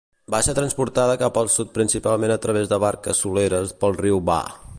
Va ser transportada cap al sud principalment a través de barques soleres pel riu Váh.